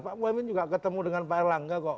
pak muhaymin juga ketemu dengan pak erlangga kok